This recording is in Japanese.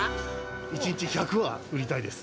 １日１００は売りたいです。